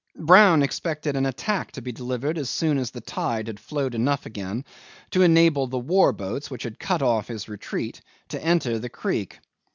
Brown expected an attack to be delivered as soon as the tide had flowed enough again to enable the war boats which had cut off his retreat to enter the creek.